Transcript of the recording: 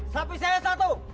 sapi saya satu